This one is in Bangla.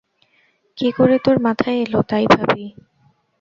কী করে তোর মাথায় এল, তাই ভাবি।